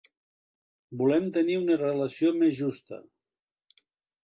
Volem tenir una relació més justa.